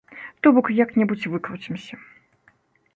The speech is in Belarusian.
То бок, як-небудзь выкруцімся.